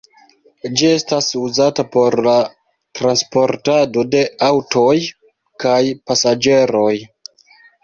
Ĝi estas uzata por la transportado de aŭtoj kaj pasaĝeroj.